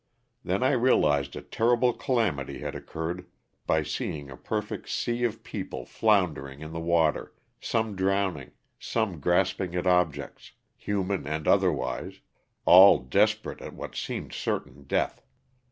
Then I realized a terrible calamity had oc curred by seeing a perfect sea of people floundering in the water, some drowning, some grasping at objects, human and otherwise, all desperate at what seemed certain death.